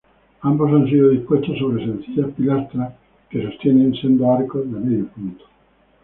Ambos han sido dispuestos sobre sencillas pilastras que sostienen sendos arcos de medio punto.